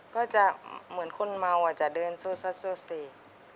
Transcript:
ก็จะเหมือนคนเมาจะเดินสู้สิ